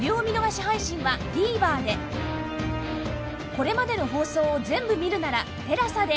これまでの放送を全部見るなら ＴＥＬＡＳＡ で